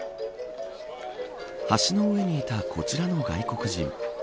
橋の上にいた、こちらの外国人。